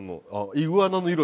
イグアナの色。